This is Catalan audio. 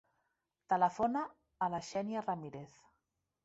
Telefona a la Xènia Ramirez.